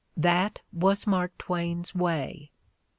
That was Mark Twain's way.